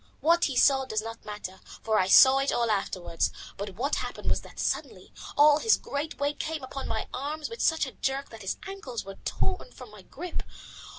What he saw does not matter, for I saw it all afterwards, but what happened was that suddenly all his great weight came upon my arms with such a jerk that his ankles were torn from my grip.